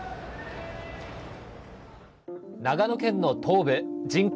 長野県の東部人口